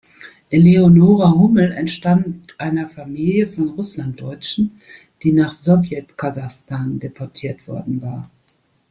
Eleonora Hummel entstammt einer Familie von Russlanddeutschen, die nach Sowjet-Kasachstan deportiert worden war.